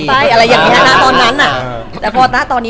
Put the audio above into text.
พักก่อน